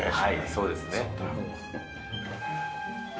そうですね。